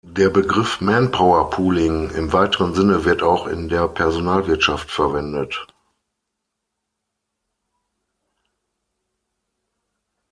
Der Begriff Manpower-Pooling im weiteren Sinne wird auch in der Personalwirtschaft verwendet.